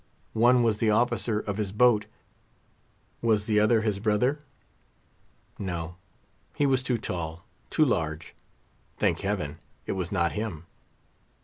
One was the officer of his boat—was the other his brother? No; he was too tall—too large. Thank Heaven! it was not him.